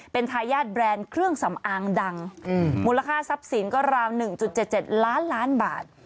เป็นทายาทแบรนด์เครื่องสำอางดังมูลค่าทรัพย์สินก็ราว๑๗๗ล้านล้านบาท